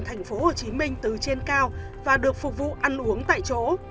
thành phố hồ chí minh từ trên cao và được phục vụ ăn uống tại chỗ